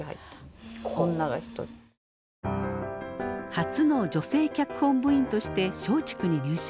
初の女性脚本部員として松竹に入社。